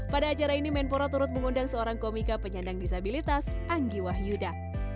pada acara ini menpora turut mengundang seorang komika penyandang disabilitas anggi wahyuda